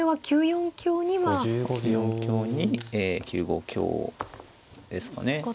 ９四香にえ９五香ですかね。